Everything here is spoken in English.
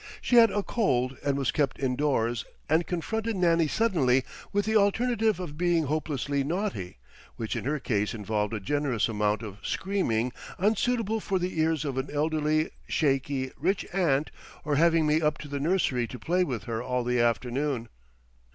She had a cold and was kept indoors, and confronted Nannie suddenly with the alternative of being hopelessly naughty, which in her case involved a generous amount of screaming unsuitable for the ears of an elderly, shaky, rich aunt, or having me up to the nursery to play with her all the afternoon.